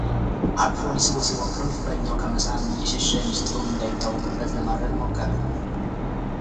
አቅፎ ሊስመው ሲሞክርም ፍቅረኛው ከመሳም እየሸሸ ሚስጥሩም እንዳይታወቅበት ለማድረግ ሞከረ፡፡